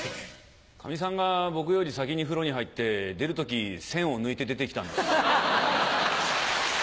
かみさんが僕より先に風呂に入って出る時栓を抜いて出てきたんです。